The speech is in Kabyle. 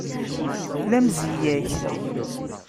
La mzeyya-k!